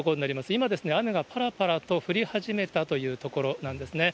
今、雨がぱらぱらと降り始めたというところなんですね。